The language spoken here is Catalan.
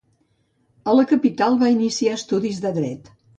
A la capital va iniciar estudis de Dret.